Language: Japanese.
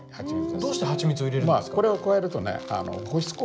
どうしてハチミツを入れるんですか？